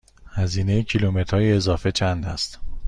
هزینه کیلومترهای اضافه چند است؟